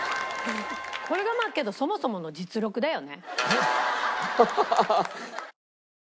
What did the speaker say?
これがまあけどそもそもの実力だよね。